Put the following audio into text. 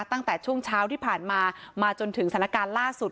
ตั้งแต่ช่วงเช้าที่ผ่านมามาจนถึงสถานการณ์ล่าสุด